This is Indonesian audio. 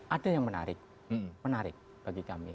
ada yang menarik menarik bagi kami